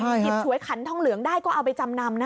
หยิบฉวยขันทองเหลืองได้ก็เอาไปจำนำนะ